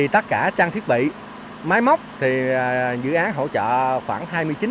tất cả trang thiết bị máy móc dự án hỗ trợ khoảng hai mươi chín